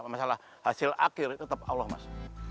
masalah hasil akhir tetap allah mas